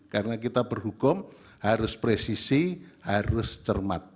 karena kita berhukum harus presisi harus cermat